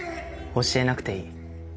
教えなくていい。